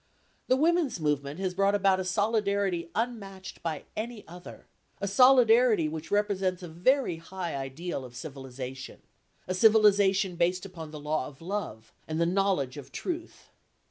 The women's movement has brought about a solidarity unmatched by any other, a solidarity which represents a very high ideal of civilisation, a civilisation based upon the law of love and the knowledge of truth.